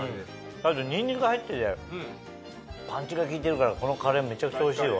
あとニンニクが入ってるじゃないパンチが効いてるからこのカレーめちゃくちゃおいしいわ。